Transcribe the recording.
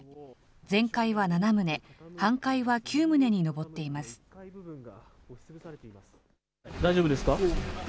全壊は７棟、半壊は９棟に上って大丈夫ですか？